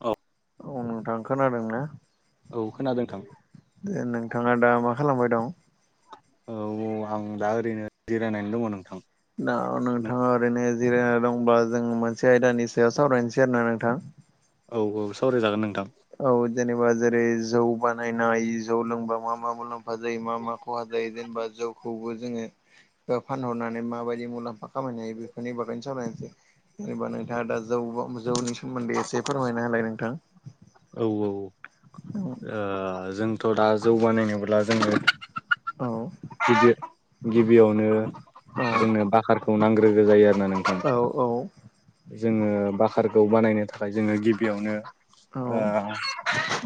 औ। औ नोंथां खोनादोंना? औ खोनादों थां। नोंथाङा दा मा खालामबाय दं? औ आं दा ओरैनो जिरायनानै दङ नोंथां। दा नोंथाङा ओरैनो जिरायना दंबा जों मोनसे आयदानि सायाव सावरायनोसै आरोना नोंथां। औ औ सावरायजागोन नोंथां। औ जेनेबा जेरै जौ बानायनाय जौ लोंबा मा मा मुलाम फा जायो मा मा खहा जायो जेनेबा जौखौबो जोङो फानहरनानै माबायदि मुलाम्फा खामायनो हायो बेफोरनि बागैनो सावरायनोसै। जेनेबा नोंथाङा दा जौ जौनि सोमोन्दै एसे फोरमायना होलाय नोंथां। औ औ। [unintelligible] ओ जोंथ' दा जौ बानायनोब्ला जोङो औ। गि गिबियावनो औ जोंनो बकारखौ नांग्रोगो जायो आरोना नोंथां। औ औ। जोङो बखारखौ बानायनो थाखाय जोनो गिबियावनो ओ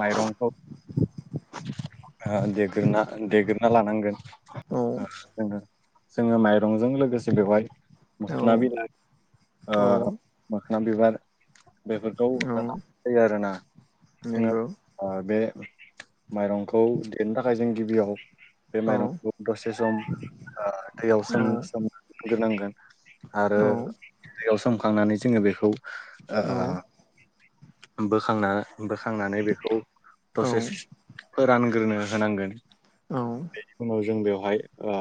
माइरंखौ ओ देग्रोना देग्राना लानांगोन। औ जोङो जोङो माइरंजों लोगोसे बेवहाय औ मोखोना बिलाइ ओ औ मोखोना बिबार बेफोरखौ लानाय जायो आरोना जोङो नंगौ ओ बे माइरंखौ देनो थाखाय जों गिबियाव बे औ माइरंखौ दसे सम ओ दैयाव औ सोम सोमग्रोनांगोन आरो नंगौ दैयाव सोमखांनानै जोङो बेखौ ओ बोखांना बोखांनानै बेखौ दसे फोरानग्रोनो होनांगोन। औ। उनाव जों बेवहाय ओ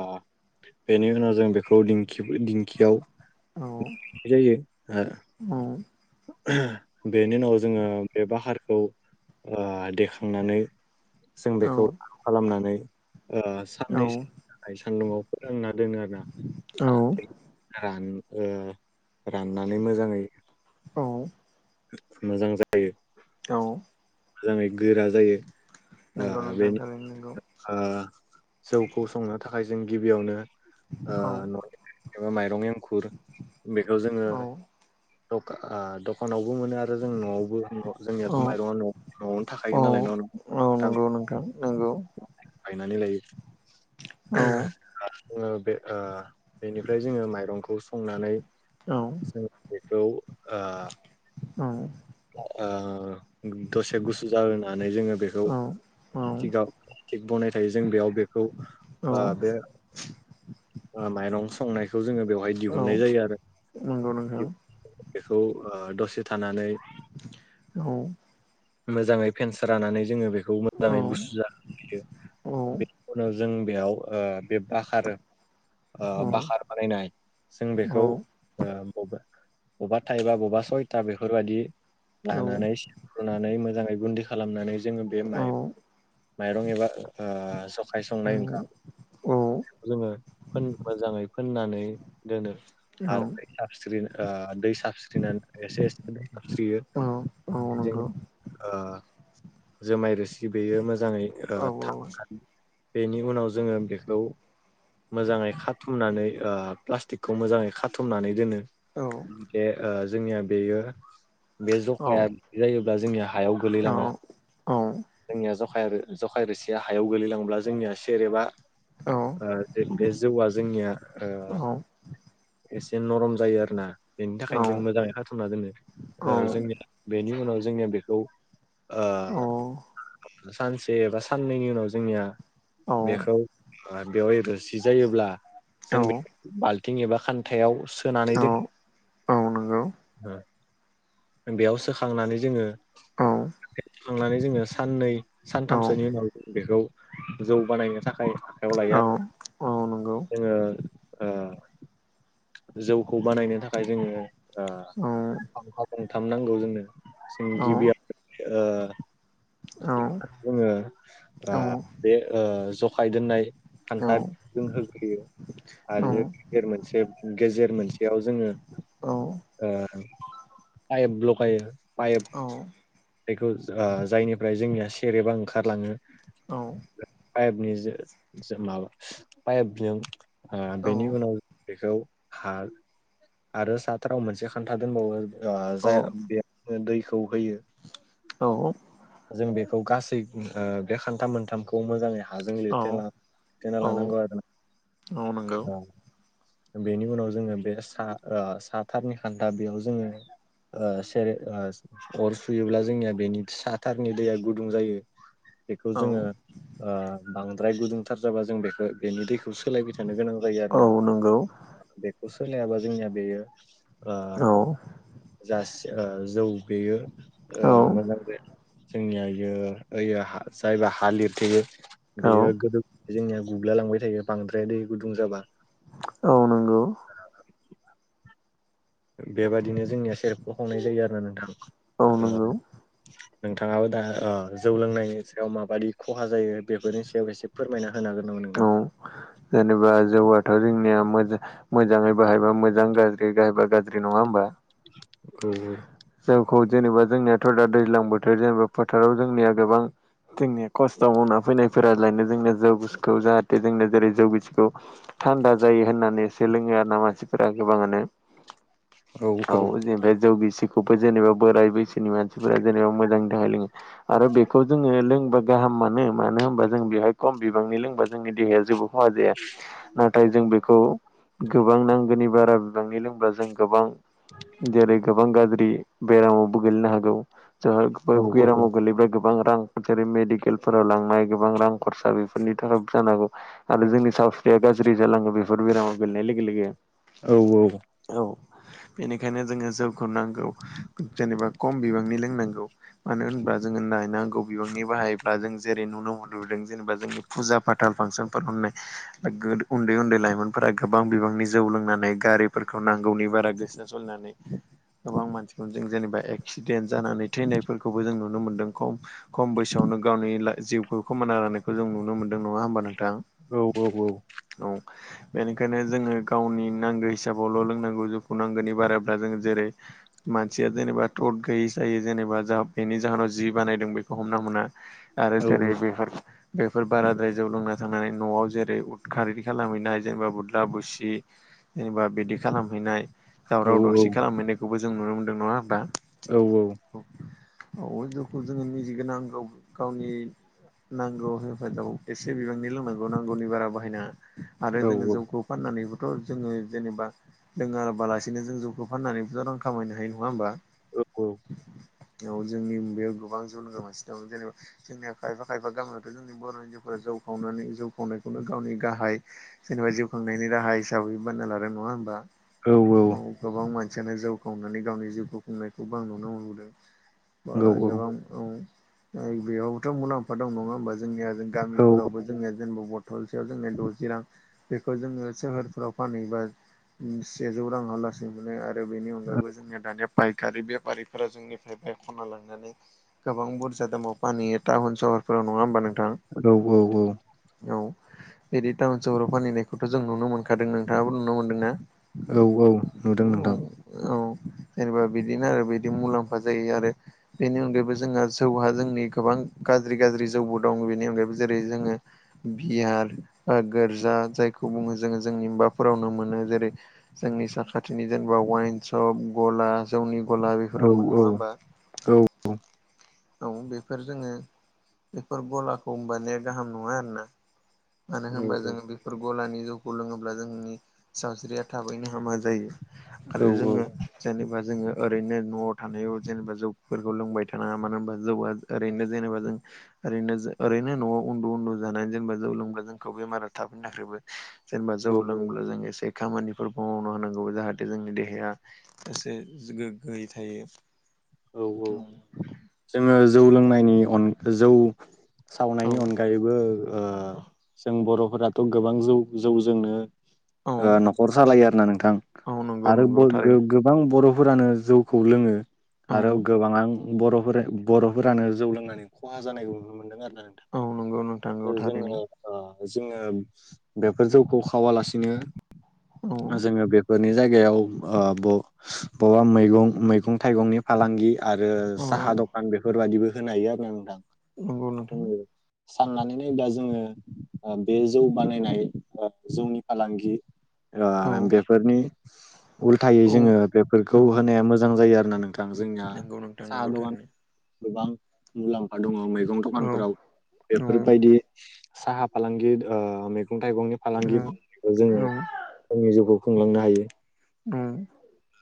बेनि उनाव जों बेखौ दिंखि दिंखियाव औ देनाय जायो ओ औ। बेनि उनाव जोङो बे बाहारखौ ओ देखांनानै जों बेखौ राहां खालामनानै साननैसो सान्दुंङाव फोरोंनानै दोनो आरोना रान राननानै मोजाङै औ। मोजां जा औ। मोजाङै गोरा जायो। ओ नोंगौ नोंथां बेनि थारैनो नोंगौ। ओ जौखौ संनो थाखाय जों गिबियावनो ओ औ न एबा माइरं एंखुर बेखौ जोङो औ दख ओ दखानावबो मोनो आरो जों न'आवबो न औ जोंनियाथ' माइरंआ न' न'आवनो थाखायो नालाय न' [inaudible] दां। नोंगौ। बायनानै औ लायो। जोङो बे ओ बेनिफ्राय जोङो माइरंखौ संनानै औ। जों बेखौ ओ औ। ओ दसे गुसु जाहोनानै जोङो बेखौ औ स्टिगाव स्टिग बनाय थायो जों बेयाव बेखौ औ ओ बे ओ माइरं संनायखौ जोङो बेवहाय औ दिहुननाय जायो आरो। नंगौ नोंथां दि बेखौ ओ दसे थानानै औ। मोजाङै फेनस्रानानै जोङो बेखौ औ मोजाङै गुसु जाहोयो। औ बे उनाव जों बेयाव ओ बे भाखारो ओ औ भाखार बानायनाय जों बेखौ ओ बबे बबा थाइबा बबा सयथा बेफोरबायदि औ लानानै सिफ्रुनानै मोजाङै गुन्दि खालामनानै जोङो बे माइ नंगौ माइरं एबा ओ जखाइ संनाय ओंखाम उम जोङो फोन मोजाङै फोननानै दोनो। आरो दै साबस्रि ओ दै साबस्रिनानै एसे एसे दै साबस्रियो। औ जोंनि ओ जोमाय रोसि बेयो मोजाङै औ ओ [unintelligible] बेनि उनाव जोङो बेखौ मोजाङै खाथुमनानै ओ प्लास्टिकखौ मोजाङै खाथुमनानै दोनो। औ। बे ओ जोंनिया बेयो बे जखाया औ जायोब्ला जोंनिया हायाव औ गोलैलाङा। औ जोंनिया जखाय आरो जखाय रोसिया हायाव गोलैलांब्ला जोंनिया सेरेबा औ ओ जे बे जौआ जोंनिया ओ एसे नरम जायो आरो ना। बेनि थाखायनो जों मोजाङै खाथुमना दोनो। ओ जोंनिया बेनि उनाव जोंनिया बेखौ ओ सानसे बा साननैनि उनाव जोंनिया औ बेखौ ओ बेवहाय रोसि जायोब्ला औ जों बे बाल थिं एबा खान्थायाव सोनानै औ दोन औ नंगौ नो बेयाव सोखांनानै जोङो औ खांनानै जोङो साननै औ औ सानथामसोनि उनाव बेखौ जौ बानायनो थाखाय आव लाया औ नंगौ औ जोङो ओ जौखौ बानायनो थाखाय जोङो ओ औ। खान्था गंथाम नांगौ जोंनो। जों गिबियाव ओ [unintelligible] जोङो औ ओ बे ओ जखाय दोननाय नंगौ औ खान्था बि जों होग्रोयो आरो नंगौ औ गेजेर मोनसे गेजेर मोनसेयाव जोङो औ। ओ पाइप लगायो पाइप औ बेखौ आ जायनिफ्राय जोंनिया सेरेबा ओंखारलाङो औ पाइपनि जो जो माबा पाइपजों ओ बेनि उनाव बेखौ हा आरो साथाराव मोनसे खान्था दोनबावो आ जाय बे ओ दैखौ होयो। औ जों बेखौ गासै ओ बे खान्था मोनथामखौ मोजाङै हाजों लिरथेना लिरथेना लानांगौ आरोना औ। बेनि उनाव जोङो बे सा आ साथारनि खान्था बेयाव जोङो ओ सेर ओ अर सुयोब्ला जोंनिया बेनि सा थारनि दैया गुदुं जायो बेखौ जोङो ओ बांद्राय गुदुंथार जाबा जों बेखौ बेनि दैखौ सोलायबाय थानो गोनां जायो आरो ना। बेखौ सोलायाबा जोंनिया बेयो आ जास ओ जौ बेयो ओ मोजां जायो। जोंनिया इयो ओयो हा जायबा हालिरथेयो बेयो गोदो जोंनिया गुब्ला लांबाय थायो बांद्राया दै गुदुं जाबा। औ नोंगौ। बेबायदिनो जोंनिया सेरेफखौ हुंनाय जायो आरो औ नोंथां ओ। नंगौ नोंथाङाबो दा अ जौ लोंनायनि सायाव माबायि खहा जायो बेफोरनि सायाव एसे फोरमायना होनो हागोन नामा औ नोंथां? जेनेबा जौआथ' जोंनिया मोजा मोजाङै बाहायबा मोजां गाज्रि गाहायबा गाज्रि नङा होमबा? औ औ। जौखौ जेनेबा जोंनियाथ' दा दैज्लां बोथोर जेनेबा फोथाराव जोंनिया गोबां जोंनि खस्थ' मावना फैनायफोरालायनो जोंनिया जौ गुसुखौ जाहाथे जोंनो जेरै जौ गुसुखौ थान्दा जायो होननानैसो लोङो आरो ना मानसिफोरा गोबाङानो। औ जेननिफ्राय जौगसिखौबो जेनेबा बोराय बैसोनि मानसिफोरा जेनेबा मोजांनि थाखाय लोङो। आरो बेखौ जोङो लोंबा गाहाम मानो मानो होनबा जों बेवहाय खम बिबांनि लोंबा जोंनि देहाया जेबो खहा जाया नाथाय जों बेखौ गोबां नांगौनि बारा ङौ लोंब्ला जों गोबां जेरै गोबां गाज्रि बेरामावबो गोग्लैनो हागौ। जोङो बोब औ बेरामाव गोग्लैबा गो बां रां जेरै मेडिकेलफोराव लांनाय गोबां रां खरसा बेफोरनि थाखायबो जानोहागौ। आरो जोंनि सावस्रिया गाज्रि जालाङो बेफोर बेरामाव गोेलेनाय लोगो लोगो। औ औ। औ बेनिखायनो जोङो जौखौ नांगौ जेनेबा खम बिबांनि लोंनांगौ। मानो होनबा जोङो नायनांगौ बिबांनि बाहायब्ला जों जेरै नुनो मोनबोदों जेनेबा जोंनि फुजा पाथाल फांसनफोराखौ नो नाय। नोगोद उन्दै उन्दै लाइमोनफोरा गोबां बिबांनि जौ लोंनानै गारिफोरखौ नांगौनि बारा गोसो [unintelligible] गोबां मानसिफोर जों जेनेबा एक्सिडेन्ट जानानै थैनायफोरखौबो जों नुनो मोनदों खम खम बैसोआवनो गावनिलाय जिउखौ खोमाना लानायखौ जों नुनो मोन्दों नङा होमबा नोंथां? औ औ औ। औ बेनिखायनो जोङो गावनि नांगौ हिसाबावल' लोंनांगौ जौखौ नांगौनि बाराब्ला जोङो जेरै मानसिया जेनेबा थद गैयि जायो जेनेबा जा बेनि जाहोनाव जि बानायदों बेखौ हमना मोना। आरो जेरै बेफोर बेफोर बाराद्राय जौ लोंना थांनानै न'आव जेरै उदखारि इदि खालामहैनाय जेनेबा बुदला बुसि जेनेबा बिदि खालामहैनाय दावराव दावसि खालामहैनायखौबो जों नुनो मोनदों नङा होमबा। औ औ। अ' जौखौ जोङो [unintelligible] गावनि नांगौ हेफाजाब एसे बिबांनि लोंनांगौ नांगौनि बारा बाहायना। आरो जोङो जौखौ फाननानैबोथ' जो जेबा लोङाबालासिनो जों जौखौ फाननानै। गोबां रां खामायनो हायो नङा होनोमबा। औ औ' [inaudible] औ जोंनि बेयाव गोबां जन गोमासि दं जेनबा जोंनिया खायफा खायफा गामियावथ' जोंनि बर' हिन्जावफोरा जौ खावनायखौनो गावनि गाहाय जेनेबा जिउ खांनायनि राहा हिसाबै बान्ना लादों नङा होमबा। औ गोबां मानसियानो जौ खावनानै गावनि जिउखौ खुंनायखौबो आं नुनो मोनबोदों। गोबां बेयावबोथ' मुलाम्फा दं नङा होमबा। जोंनिया औ गामिफोरावबो [unintelligible] जेनेबा बथलसेयाव जोङो द'जि रां बेखौ जोङो सोहोरफ्राव फानहैबा सेजौ राङा लासै मोनो आरो बेनि अनगायैबो जोंनिया दानिया फाइकारि बेफारिफोरा जोंनिफ्राय बाइ ख'ना लांनानै गोबां बुरजा दामाव फानहैयो टाउन सहरफोराव नङा होमबा नोंथां। औ औ औ। औ बिदि टाउन सहराव फानहैनायखौथ' जों नुनो मोनखादों नोंथाङाबो नुनो मोनदोंना। औ औ नुदों नोंथां। औ जेनेबा बिदिनो आरो बिदि मुलाम्फा जायो। आरो बेनि अनगायैबो जोंहा जौहा जोंनि गोबां गाज्रि गाज्रि जौबो दं। बेनि अनगायैबो जेरै, जोङो बिहार गोर्जा जायखौ बुङो जोङो जोंनि माफोरावनो मोनो जेरै, जोंनि साखाथिनि जेनेबा वाइन सप, गला, जौनि गला, औ बेफोराव मोन औ नङा होमबा। औ औ बेफोर जोङो बेफोर गलाखौ होनबानाया गाहाम नङा आरोना। मानो औ होनबा जोङो बेफोर गलानि जौखौ लोङोब्ला जोंनि सावस्रिया थाबैनो हामा जायो। आरो जोङो। जेनेबा जोङो ओरैनो न'आव थानायाव जेनेबा जौफोरखौ लोंबाय थानाङा मानोना बा जौआ ओरैनो जेनेबा जों ओरैनो न'आव उन्दु उन्दु जानानै जेनेबा जौ लोंग्रा जोंखौ बेमारा थाबैनो नाख्रेबो। जेनेबा जौ औ लोंब्ला जों एसे खामानिफोरखौ मावनो होनांगौ जाहाथे जोंनि देहाया। एसे गोग्गोयै थायो। औ औ जोङो जौ लोंनायनि जौ औ सावनायनि अनगायैबो। जों बर'फोराथ' गोबां जौ जौजोंनो। औ न'खर सालायो आरो ना नोंथां। औ नंगौ आरो नंगौ थारैनो [unintelligible] गोबां बर'फोरानो जौखौ लोङो औ आरो गोबां आं। बर'फोरानो जौ लोंनानै खहा जानायखौ नुनो मोनदों नोंथां। औ नंगौ नोंथां औ आरो ओ थारैनो जोङो। ओ जोङो बेफोर जौखौ खावालासिनो औ जोङो बेफोरनि। जायगायाव ओ बबेबा मैगं थाइगंनि फालांगि आरो औ साहा दखान बेफोरबायदिबो होनो हायो आरोना नोंथां। नंगौ नोंथां [unintelligible] साननानै नायोबा जोङो बे जौ बानायनाय ओ जौनि फालांगि। औ ओ बेफोरनि उल्थायै औ जोङो बेफोरखौ औ होनाया मोजां जायो आरो नोंथां। गोबां जोंनिया नंगौ नोंथां साहा नंगौ दखान थारैनो गोबां मुलाम्फा दङ मैगं औ दखानफोराव। औ बेफोरबायदि साहा फालांगि ओ मैगं थाइगंनि फालांगि औ मावनायखौ जोङो जोंनि जिउखौ खुंलांनो हायो। ओम।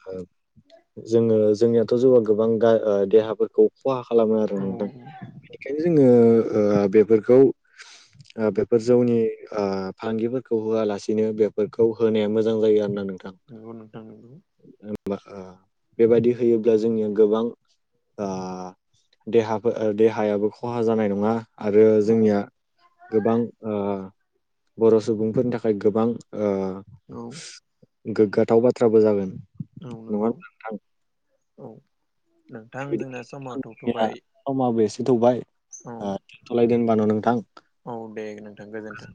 ओ जोङो जोंनियाथ' जौआ गोबां देहाफोरखौ खहा खालामो आरो औ ना नोंथां बेनिखायनो जोङो बेफोरखौ। बेफोर जौनि फालांगिफोरखौ होआलासिनो बेफोरखौ होनाया मोजां जायो आरो ना नोंथां। नंगौ नोंथां नंगौ। [unintelligible] बेबायदि होयोबा जोंनिया गोबां ओ देहायाबो खहा जानाय नङा। आरो औ जोंनिया गोबां ओ बर' सुबुंफोरनि थाखाय गोबां ओ औ गोग्गाथाव बाथ्राबो जागोन औ नङा होनबा नंगौ। नोंथां औ नोंथां बिदिब्ला जोंना समा जोंनिया थौथ'बाय समाबो एसे थौबाय औ ओ दिनथ'लायदो होनबानो' नोंथां औ दे नोंथां गोजोनथों।